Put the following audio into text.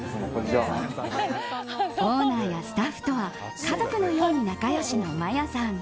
オーナーやスタッフとは家族のように仲良しのマヤさん。